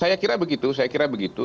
saya kira begitu saya kira begitu